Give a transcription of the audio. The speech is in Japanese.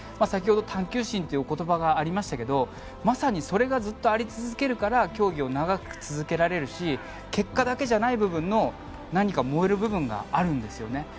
先ほど探求心というお言葉がありましたがまさにそれがずっとあり続けるから競技を長く続けられるし結果だけじゃない部分の何か燃える部分があるんですよね。